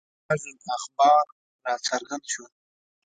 سراج الاخبار را څرګند شو.